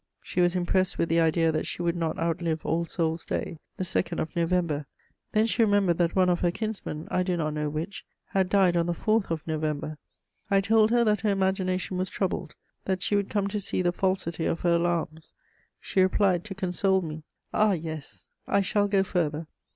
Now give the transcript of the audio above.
She was impressed with the idea that she would not outlive All Souls' Day, the 2nd of November; then she remembered that one of her kinsmen, I do not know which, had died on the 4th of November. I told her that her imagination was troubled; that she would come to see the falsity of her alarms; she replied, to console me: "Ah, yes, I shall go farther!"